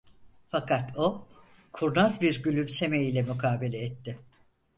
Fakat o, kurnaz bir gülümseme ile mukabele etti: